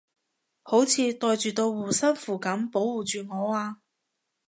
好似袋住道護身符噉保護住我啊